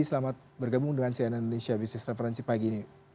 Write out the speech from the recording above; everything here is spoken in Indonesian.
selamat bergabung dengan cnn indonesia business referensi pagi ini